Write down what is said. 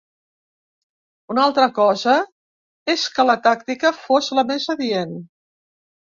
Una altra cosa és que la tàctica fos la més adient.